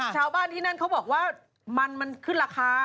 ชาวบ้านที่นั่นเขาบอกว่ามันมันขึ้นราคา